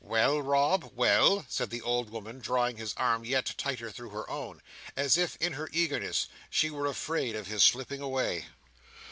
"Well, Rob? Well?" said the old woman, drawing his arm yet tighter through her own, as if, in her eagerness, she were afraid of his slipping away.